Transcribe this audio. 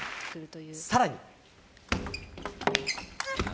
さらに。